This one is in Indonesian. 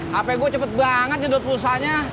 hp gue cepet banget jendot pulsa nya